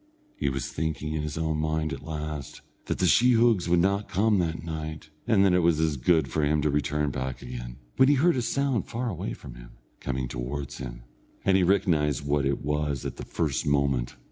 He was thinking, in his own mind, at last, that the sheehogues would not come that night, and that it was as good for him to return back again, when he heard a sound far away from him, coming towards him, and he recognised what it was at the first moment.